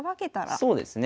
そうですね。